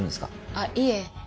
あっいえ。